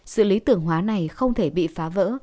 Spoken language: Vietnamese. sự lý tưởng hóa này không thể bị phá vỡ